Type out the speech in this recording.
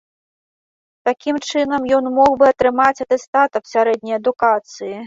Такім чынам ён мог бы атрымаць атэстат аб сярэдняй адукацыі.